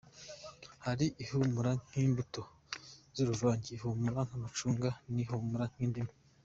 Hari ihumura nk’imbuto z’uruvange, ihumura nk’amacunga n’ihumura nk’indimu.